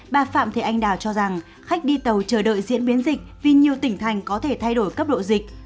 bà phạm thị anh đào cho rằng khách đi tàu chờ đợi diễn biến dịch vì nhiều tỉnh thành có thể thay đổi cấp độ dịch